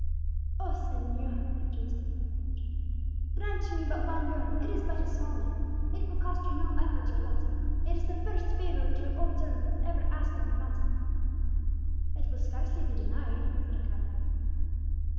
"Oh, señor," cried Teresa with emotion, "grant to me but one boon; it is but a small one it will cost you no effort or loss it is the first favour which your old servant ever has asked of her master." "It will scarcely be denied," said Alcala.